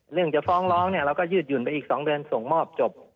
จะฟ้องร้องเนี่ยเราก็ยืดหยุ่นไปอีก๒เดือนส่งมอบจบ